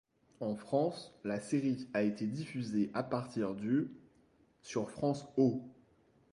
En France, la série été diffusée à partir du sur France Ô.